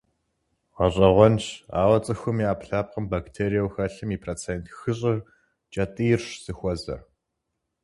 Гъэщӏэгъуэнщ, ауэ цӏыхум и ӏэпкълъэпкъым бактериеу хэлъым и процент хыщӏыр кӏэтӏийрщ зыхуэзэр.